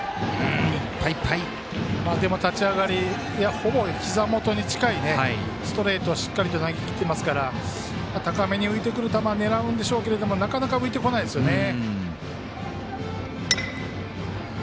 でも立ち上がりほぼひざ元に近いストレート、しっかり投げきってますから高めに浮いてくる球を狙うんでしょうけれどもなかなか浮いてこないでしょうね。